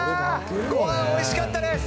ごはんおいしかったです。